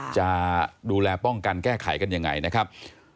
จะดูแลป้องกันแก้ไขกันยังไงนะครับ